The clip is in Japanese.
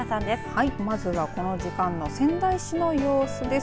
はい、まずはこの時間の仙台市の様子です。